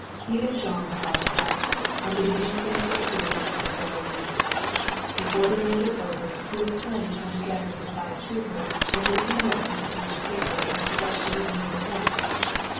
Even Jean thawed at last, under the influence of food and Sara Lee. Before the meal was over he was planning how to get her supplies to her and making notes on a piece of paper as to what she would need at once.